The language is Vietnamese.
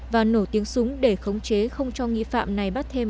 và nổ tiếng súng để khống chế không cho nghi phạm